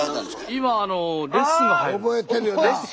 今レッスンが入るんです。